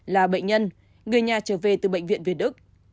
là bệnh nhân người nhà trở về từ bệnh viện việt đức